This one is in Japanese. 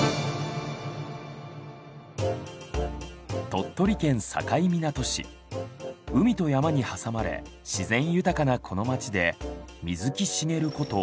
鳥取県境港市海と山に挟まれ自然豊かなこの街で水木しげること